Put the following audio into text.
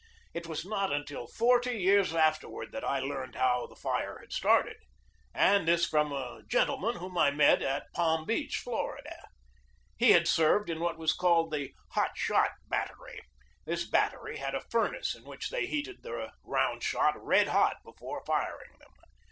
It was not until forty years afterward that I learned how the fire had started, and this from a 94 GEORGE DEWEY gentleman whom I met at Palm Beach, Florida. He had served in what was called the "hot shot" bat tery. This battery had a furnace in which they heated their round shot red hot before firing them.